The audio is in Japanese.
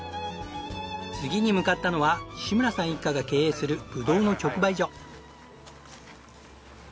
次に向かったのは志村さん一家が経営するぶどうの直売所。